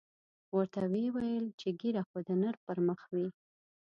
ورته ویې ویل چې ږیره خو د نر پر مخ وي.